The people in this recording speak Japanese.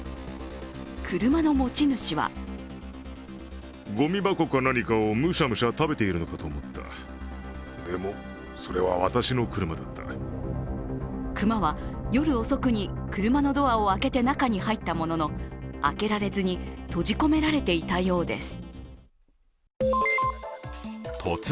車の持ち主は熊は夜遅くに車のドアを開けて中に入ったものの開けられずに、閉じ込められていたようです。